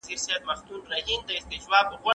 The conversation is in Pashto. د مطالعې فرهنګ ته وده ورکړئ.